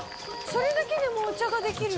それだけでもうお茶ができるの？